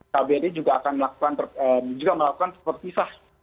kbri juga akan melakukan perpisah